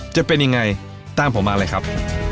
จะเป็นยังไงตามผมมาเลยครับ